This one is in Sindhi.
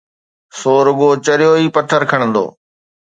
سو رڳو چريو ئي پٿر کڻندو.